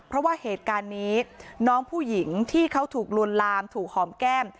เพราะว่าเหตุการณ์นี้น้องผู้หญิงที่เขาถูกลวนลามถูกหอมแก้ม